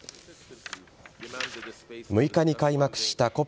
６日に開幕したＣＯＰ